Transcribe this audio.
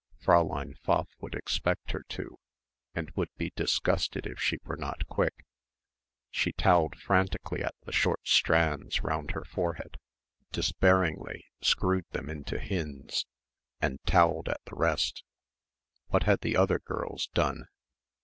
Fräulein Pfaff would expect her to and would be disgusted if she were not quick she towelled frantically at the short strands round her forehead, despairingly screwed them into Hinde's and towelled at the rest. What had the other girls done?